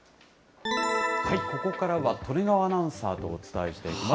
ここからは利根川アナウンサーとお伝えしていきます。